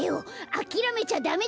あきらめちゃダメだ。